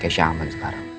keisha aman sekarang